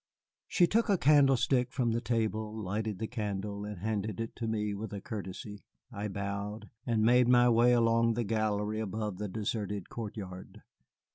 She took a candlestick from the table, lighted the candle, and handed it me with a courtesy. I bowed, and made my way along the gallery above the deserted court yard.